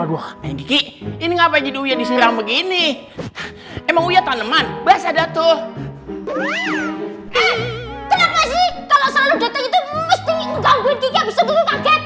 aduh ini ngapain jadi diserang begini emang taneman bahasa datuh kalau selalu datang itu